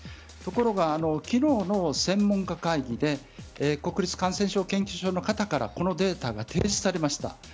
ところが昨日の専門家会議で国立感染症研究所の方からこのデータが提出されました。